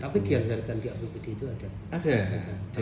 tapi dianggarkan di apbd itu ada